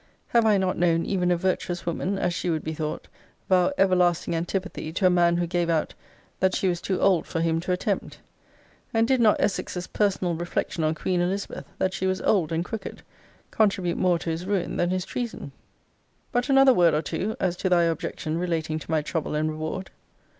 Have I not known even a virtuous woman, as she would be thought, vow everlasting antipathy to a man who gave out that she was too old for him to attempt? And did not Essex's personal reflection on Queen Elizabeth, that she was old and crooked, contribute more to his ruin than his treason? But another word or two, as to thy objection relating to my trouble and reward.